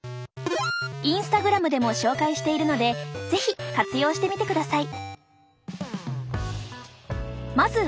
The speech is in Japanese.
インスタグラムでも紹介しているので是非活用してみてください。